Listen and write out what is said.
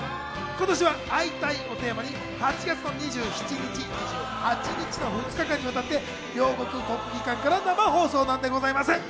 今年は「会いたい！」をテーマに８月の２７日、２８日の２日間にわたって両国・国技館から生放送されます。